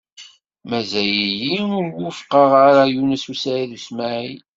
Mazal-iyi ur wufqeɣ ara Yunes u Saɛid u Smaɛil.